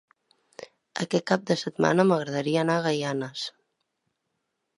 Aquest cap de setmana m'agradaria anar a Gaianes.